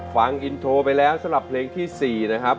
ฟังอินโทรไปแล้วสำหรับเพลงที่๔นะครับ